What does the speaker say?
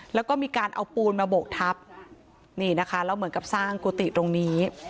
แล้วก็มีการเอาปูนมาโบกทับนี่นะคะแล้วเหมือนกับสร้างกุฏิตรงนี้